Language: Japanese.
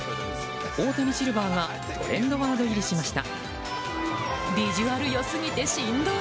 大谷シルバーがトレンドワード入りしました。